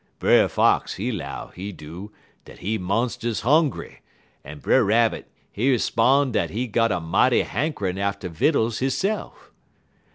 Brer Fox, he 'low, he do, dat he monst'us hongry, en Brer Rabbit he 'spon' dat he got a mighty hankerin' atter vittles hisse'f.